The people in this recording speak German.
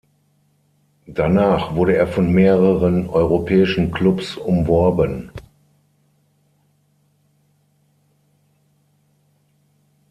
Danach wurde er von mehreren europäischen Klubs umworben.